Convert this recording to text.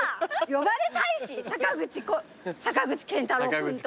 呼ばれたいし坂口健太郎君と。